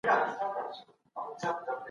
کله چې یو څوک یې وڅکي.